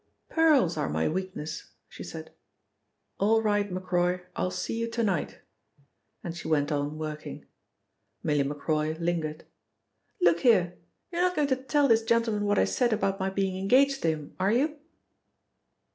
"Pearls are my weakness," she said. "All right, Macroy, I'll see you to night," and she went on working. Milly Macroy lingered. "Look here, you're not going to tell this gentleman what I said about my being engaged to him, are you?"